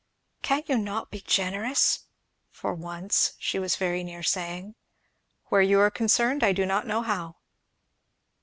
"Cannot you be generous?" for once, she was very near saying. "Where you are concerned, I do not know how."